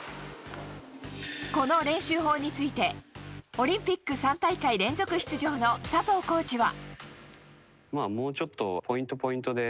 この練習法についてオリンピック３大会連続出場の佐藤コーチは。